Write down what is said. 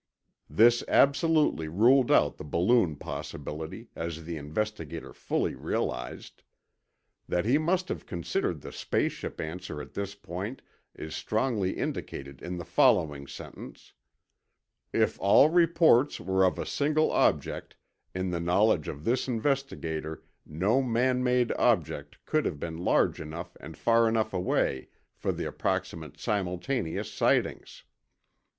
This absolutely ruled out the balloon possibility, as the investigator fully realized. That he must have considered the space ship answer at this point is strongly indicated in the following sentence: "If all reports were of a single object, in the knowledge of this investigator no man made object could have been large enough and far enough away for the approximate simultaneous sightings."